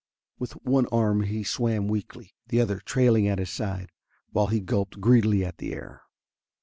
With one arm he swam weakly, the other trailing at his side, while he gulped greedily at the air.